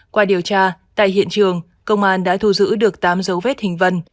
qua điều tra tại hiện trường công an đã thu giữ được tám dấu vết hình vân